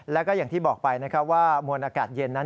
และอย่างที่บอกไปว่ามวลอากาศเย็นนั้น